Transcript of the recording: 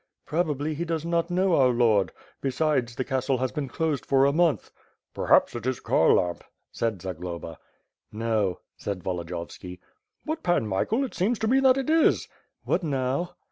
"Probably he does not know our Lord. Besides, the castle has been closed for a month." "Perhaps it is Kharlamp," said Zagloba. "No," said Volodivovski. "But, Pan Michael, it seems to me that it is." "What now?"